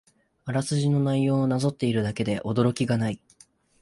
あらすじの内容をなぞっているだけで驚きがない